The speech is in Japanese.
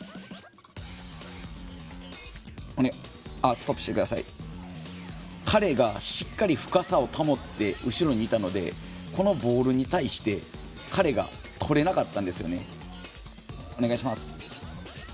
スコットランドの彼がしっかり深さを保って後ろにいたのでこのボールに対して彼がとれなかったんですよね。